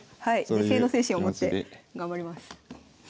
自省の精神を持って頑張ります。